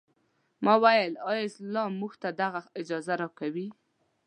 ما وویل ایا اسلام موږ ته دغه اجازه راکوي.